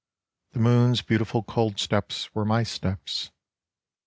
The moon's beautiful cold steps were my steps.